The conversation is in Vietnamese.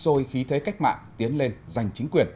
xôi khí thế cách mạng tiến lên giành chính quyền